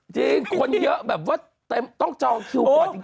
จริงคนเยอะแบบว่าต้องจองคิวก่อนจริง